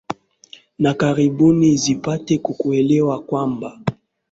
na karibuni zipate ku kuelewa kwamba